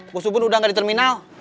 bos bubun udah gak di terminal